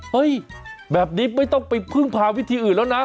เฮ้ยแบบนี้ไม่ต้องไปพึ่งพาวิธีอื่นแล้วนะ